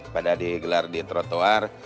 pada digelar di trotoar